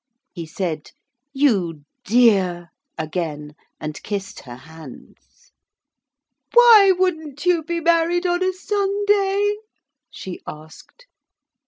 He said, 'You dear!' again, and kissed her hands. 'Why wouldn't you be married on a Sunday?' she asked.